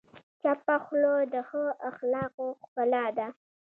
چپه خوله، د ښه اخلاقو ښکلا ده.